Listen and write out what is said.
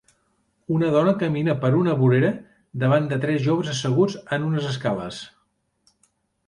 Una dona camina per una vorera davant de tres joves asseguts en unes escales.